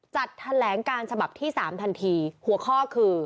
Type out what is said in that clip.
จัดแถลงการฉบับที่๓ทันทีหัวข้อคือ